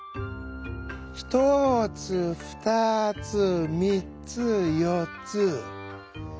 「１つ２つ３つ４つ」。